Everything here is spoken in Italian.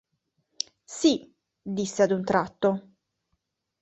Sì, – disse ad un tratto.